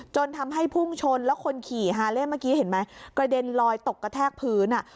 จนทำให้พุ่งชนแล้วคนขี่ฮาเล่เมื่อกี้เห็นไหมกระเด็นลอยตกกระแทกพื้นอ่ะ